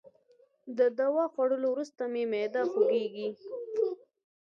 د دوا خوړولو وروسته مي معده خوږیږي.